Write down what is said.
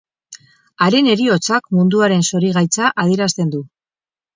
Haren heriotzak munduaren zorigaitza adierazten du.